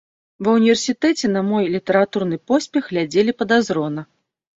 Ва ўніверсітэце на мой літаратурны поспех глядзелі падазрона.